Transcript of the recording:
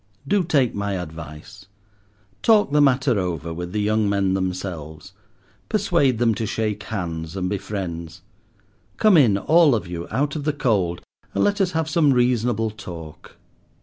Do take my advice. Talk the matter over with the young men themselves. Persuade them to shake hands and be friends. Come in, all of you, out of the cold, and let us have some reasonable talk.